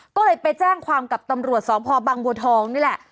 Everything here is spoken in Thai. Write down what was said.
ก็เลยไปแจ้งความกับตำรวจสพบังบัวทองนี่แหละ